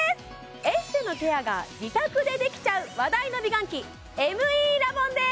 エステのケアが自宅でできちゃう話題の美顔器ＭＥラボンです！